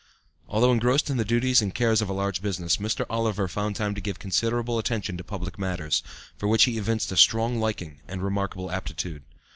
Although engrossed in the duties and cares of a large business, Mr. Oliver found time to give considerable attention to public matters, for which he evinced a strong liking and a remarkable aptitude.